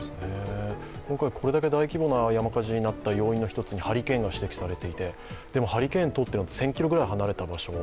今回これだけ大規模な山火事になった要因の１つにハリケーンが指摘されていてでも、ハリケーンが通ったのは１０００ｋｍぐらい離れた場所。